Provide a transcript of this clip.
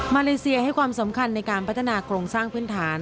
เลเซียให้ความสำคัญในการพัฒนาโครงสร้างพื้นฐาน